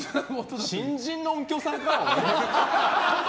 新人の音響さんか？